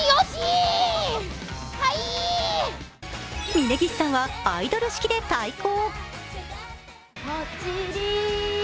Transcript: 峯岸さんはアイドル式で対抗。